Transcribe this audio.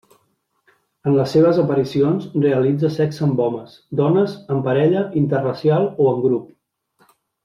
En les seves aparicions realitza sexe amb homes, dones, en parella, interracial o en grup.